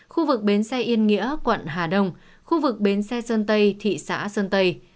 khu vực bến xe yên nghĩa quận hà đông khu vực bến xe sơn tây thị xã sơn tây